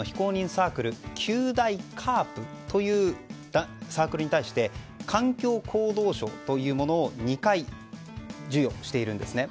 サークル九大ＣＡＲＰというサークルに対して環境行動賞というものを２回授与しているんですね。